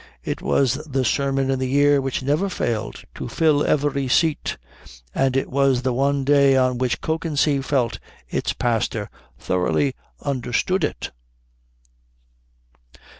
It was the sermon in the year which never failed to fill every seat, and it was the one day on which Kökensee felt its pastor thoroughly understood it.